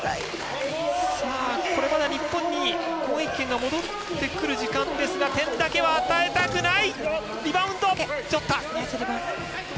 日本に攻撃権が戻ってくる時間ですが点だけは与えたくない。